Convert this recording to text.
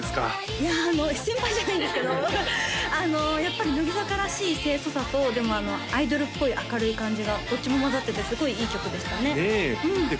いやもう先輩じゃないんですけどやっぱり乃木坂らしい清楚さとでもアイドルっぽい明るい感じがどっちも混ざっててすごいいい曲でしたねねえで